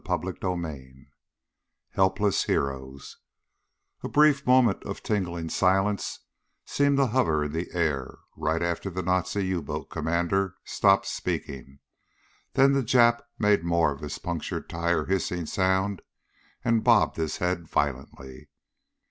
CHAPTER TWELVE Helpless Heroes A brief moment of tingling silence seemed to hover in the air right after the Nazi U boat commander stopped speaking. Then the Jap made more of his punctured tire hissing sound and bobbed his head violently.